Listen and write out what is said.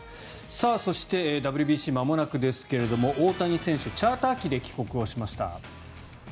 そして、ＷＢＣまもなくですが大谷選手チャーター機で帰国をしました。